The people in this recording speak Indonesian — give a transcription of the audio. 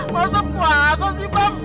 puasa puasa sih pak